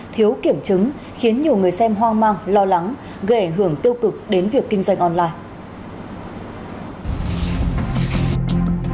thiếu kiểm chứng khiến nhiều người xem hoang mang lo lắng gây ảnh hưởng tiêu cực đến việc kinh doanh online